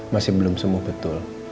masih belum sembuh betul